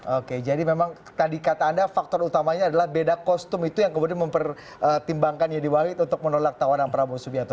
oke jadi memang tadi kata anda faktor utamanya adalah beda kostum itu yang kemudian mempertimbangkan yedi wahid untuk menolak tawaran prabowo subianto